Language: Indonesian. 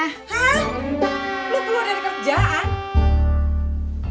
hah lu keluar dari kerjaan